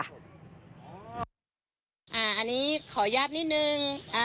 อันนี้ขออนุญาตนิดนึง